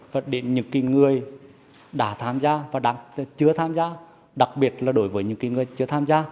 và đến những người đã tham gia và chưa tham gia đặc biệt là đối với những người chưa tham gia